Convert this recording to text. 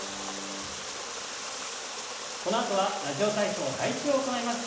このあとは「ラジオ体操第１」を行います。